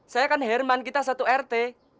saya kan herman kita satu rt